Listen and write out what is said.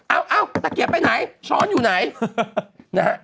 เอ้าตะเกียบไปไหนช้อนอยู่ไหนนะฮะ